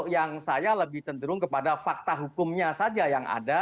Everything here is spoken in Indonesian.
karena kalau yang saya lebih cenderung kepada fakta hukumnya saja yang ada